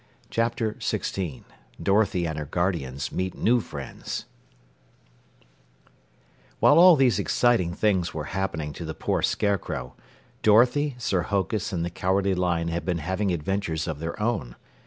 CHAPTER 16 DOROTHY AND HER GUARDIANS MEET NEW FRIENDS While all these exciting things were happening to the poor Scarecrow, Dorothy, Sir Hokus and the Cowardly Lion had been having adventures of their own.